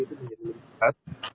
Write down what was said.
itu menjadi lebih cepat